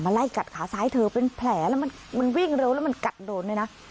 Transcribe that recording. ไล่กัดขาซ้ายเธอเป็นแผลแล้วมันวิ่งเร็วแล้วมันกัดโดนด้วยนะ